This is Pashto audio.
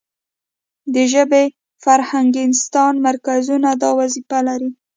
د ژبې فرهنګستان مرکزونه دا وظیفه لري.